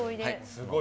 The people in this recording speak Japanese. すごい！